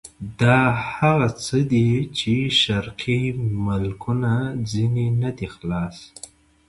دا هغه څه دي چې شرقي ملکونه ځنې نه دي خلاص.